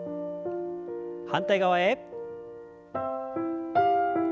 反対側へ。